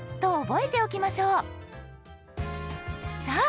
さあ